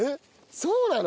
そうなの？